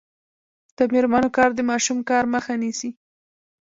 د میرمنو کار د ماشوم کار مخه نیسي.